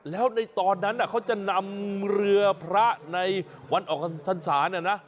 แล้วในตอนนั้นเขาจะนำเรือพระในวันออกพรรษานะ